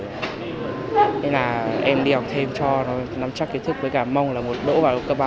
nên là em đi học thêm cho nó nắm chắc kiến thức với cả mông là một đỗ vào cấp ba